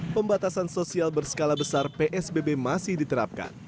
pembatasan sosial berskala besar psbb masih diterapkan